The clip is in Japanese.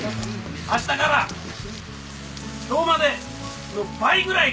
明日から今日までの倍ぐらい頑張って。